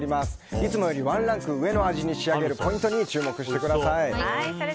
いつもよりワンランク上の味に仕上げるポイントに注目してください。